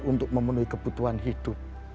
untuk memenuhi kebutuhan hidup